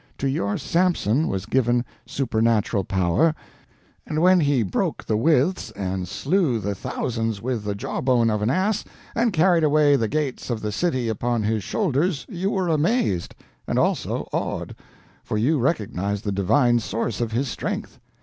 To your Samson was given supernatural power, and when he broke the withes, and slew the thousands with the jawbone of an ass, and carried away the gate's of the city upon his shoulders, you were amazed and also awed, for you recognized the divine source of his strength.